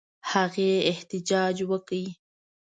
هغې احتجاج وکړ.